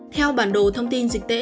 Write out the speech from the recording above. theo bản đồ thông tin dịch tễ